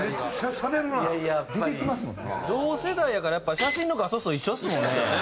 同世代やからやっぱ写真の画素数一緒ですもんね。